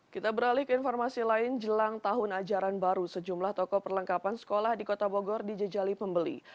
kita beralih ke informasi lain jelang tahun ajaran baru sejumlah toko perlengkapan sekolah di kota bogor dijejali pembeli